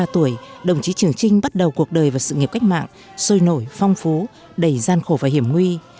ba mươi tuổi đồng chí trường trinh bắt đầu cuộc đời và sự nghiệp cách mạng sôi nổi phong phú đầy gian khổ và hiểm nguy